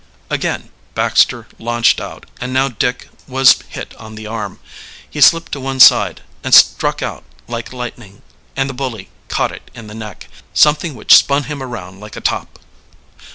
Again Baxter launched out, and now Dick was hit on the arm. He slipped to one side, and struck out like lightning, and the bully caught it in the neck, something which, spun him around like a top.